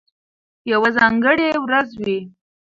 یوه ځانګړې ورځ وي،